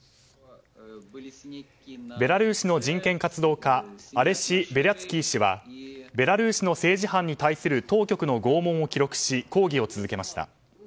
ベラルーシの人権活動家アレシ・ベリャツキー氏はベラルーシの政治犯に対する当局の拷問を記録し抗議を続けました。